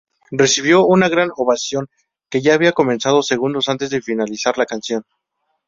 Recibió una gran ovación que ya había comenzado segundos antes de finalizar la canción.